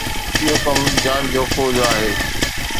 اهو ڪم جان جو کوهه جو آهي